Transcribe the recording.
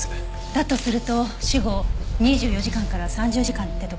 だとすると死後２４時間から３０時間ってとこ。